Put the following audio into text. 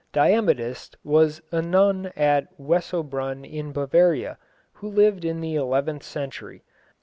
Diemudis was a nun of Wessobrunn in Bavaria, who lived in the eleventh century.